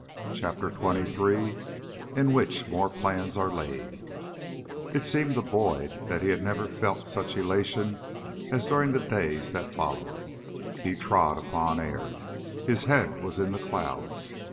CHAPTER XXIII IN WHICH MORE PLANS ARE LAID It seemed to Boyd that he had never felt such elation as during the days that followed. He trod upon air, his head was in the clouds.